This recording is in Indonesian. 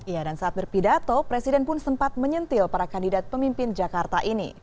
ya dan saat berpidato presiden pun sempat menyentil para kandidat pemimpin jakarta ini